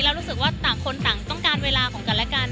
แล้วรู้สึกว่าต่างคนต่างต้องการเวลาของกันและกัน